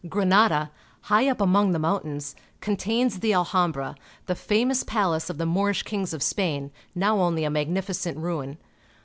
Granada, high up among the mountains, contains the Alhambra, the famous palace of the Moorish kings of Spain, now only a magnificent ruin.